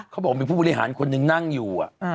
เขาบอกมีผู้บริหารคนนึงนั่งอยู่